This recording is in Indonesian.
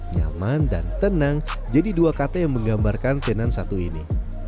nyaman dan tenang jadi dua kata yang menggambarkan tenan satu ini